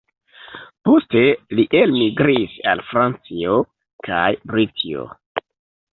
Poste li elmigris al Francio kaj Britio.